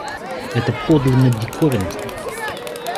Это подлинно диковинка!